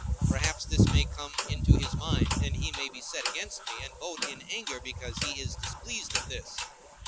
Perhaps this may come into his mind, and he may be set against me, and vote in anger because he is displeased at this.